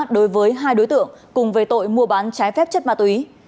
đối với hai đối tượng cùng về tội mua bán trái phép chất ma túy